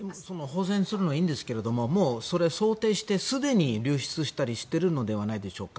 保全するのはいいんですが、それを想定してすでに流出したりしているのではないでしょうか。